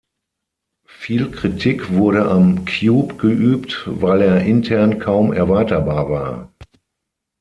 Viel Kritik wurde am Cube geübt, weil er intern kaum erweiterbar war.